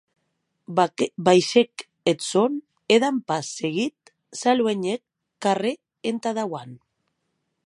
Baishèc eth sòn, e, damb pas seguit, s’aluenhèc carrèr entà dauant.